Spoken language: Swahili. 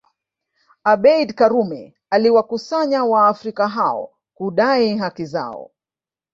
Abeid Karume aliwakusanya waafrika hao kudai haki zao